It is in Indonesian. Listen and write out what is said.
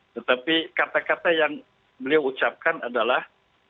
tetapi kata kata yang beliau ucapkan adalah